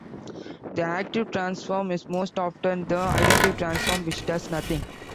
The active transform is most often the identity transform, which does nothing.